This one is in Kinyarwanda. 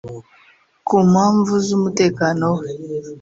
Ku mpamvu z’umutekano we